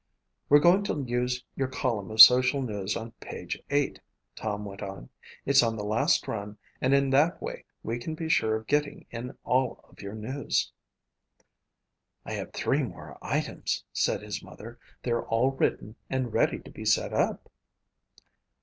"We're going to use your column of social news on page eight," Tom went on. "It's on the last run and in that way we can be sure of getting in all of your news." "I have three more items," said his mother. "They're all written and ready to be set up."